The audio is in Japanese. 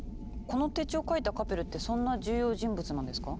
この手帳を書いたカペルってそんな重要人物なんですか？